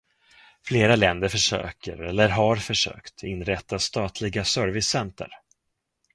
Flera länder försöker, eller har försökt, inrätta statliga servicecenter.